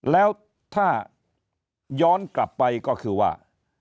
แล้วถ้าย้อนกลับไปก็คือว่า